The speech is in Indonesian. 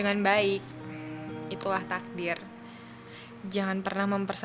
kan kaka aisyah mau pergi ke surga